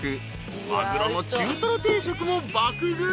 ［マグロの中トロ定食も爆食い］